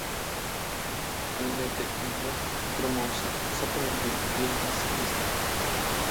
Гэты альбом атрымаўся сапраўды вельмі асабістым.